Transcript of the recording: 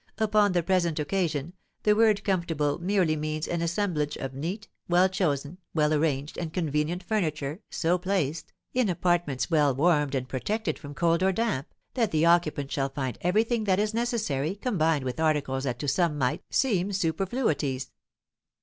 "Upon the present occasion the word comfortable merely means an assemblage of neat, well chosen, well arranged, and convenient furniture, so placed, in apartments well warmed and protected from cold or damp, that the occupant shall find every thing that is necessary combined with articles that to some might seem superfluities."